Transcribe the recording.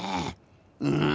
うん。